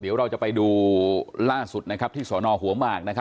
เดี๋ยวเราจะไปดูล่าสุดที่สนหัวหมาก